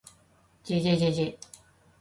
ｗ じぇじぇじぇじぇ ｗ